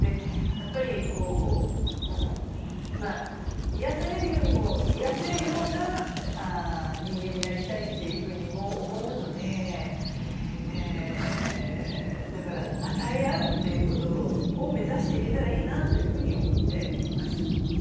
やっぱり癒やされるよりも癒やせるような人間になりたいというふうにも思うのでだから与え合うっていうことを目指していけたらいいなというふうに思っています。